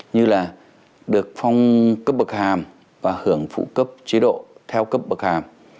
như là được phong cấp bậc hàm và hưởng phụ cấp chế độ theo cấp bậc hàm